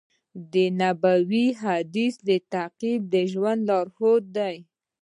د نبوي حدیثونو تعقیب د ژوند لارښود دی.